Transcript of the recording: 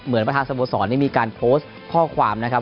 เหมือนพระทางสโมสรนี้มีการโพสต์ข้อความนะครับ